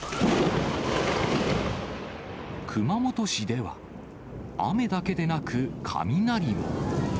熊本市では、雨だけでなく、雷も。